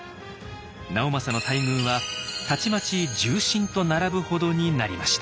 直政の待遇はたちまち重臣と並ぶほどになりました。